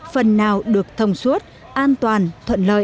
phần nào được thông suốt an toàn thuận lợi